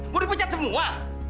mau dipenjat semua